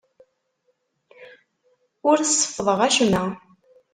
Ur seffḍeɣ acemma.